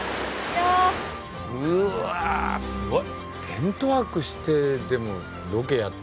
うわぁすごい！